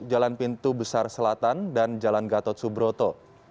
jalan pintu besar selatan dan jalan gatot subroto